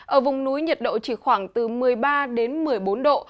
ở vùng núi nhiệt độ chỉ khoảng từ một mươi ba đến một mươi bốn độ